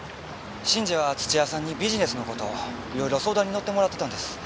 信二は土屋さんにビジネスの事をいろいろ相談に乗ってもらってたんです。